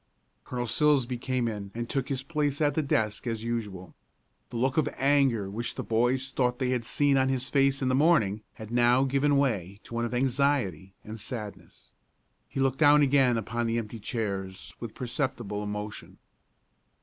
Colonel Silsbee came in and took his place at the desk as usual. The look of anger which the boys thought they had seen on his face in the morning had now given way to one of anxiety and sadness. He looked down again on the empty chairs with perceptible emotion.